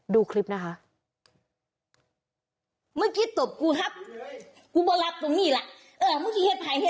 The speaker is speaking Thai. ดูคลิปนะคะ